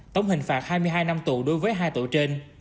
tổng hình phạt hai mươi hai năm tù đối với hai tội trên